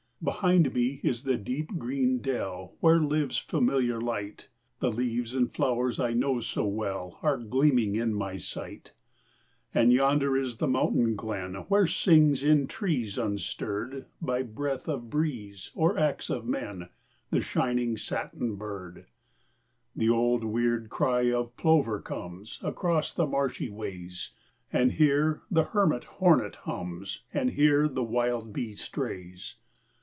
Behind me is the deep green dell Where lives familiar light; The leaves and flowers I know so well Are gleaming in my sight. And yonder is the mountain glen, Where sings in trees unstirred By breath of breeze or axe of men The shining satin bird. The old weird cry of plover comes Across the marshy ways, And here the hermit hornet hums, And here the wild bee strays.